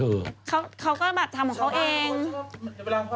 เขาก็แบบทำของเขาเอง